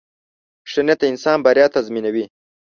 • ښه نیت د انسان بریا تضمینوي.